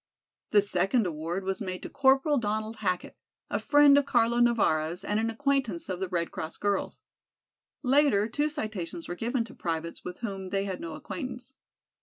The second award was made to Corporal Donald Hackett, a friend of Carlo Navara's and an acquaintance of the Red Cross girls. Later, two citations were given to privates with whom they had no acquaintance.